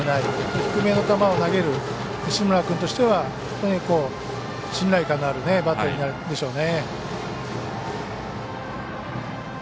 低めの球を投げる西村君としては信頼感のあるバッテリーでしょうね。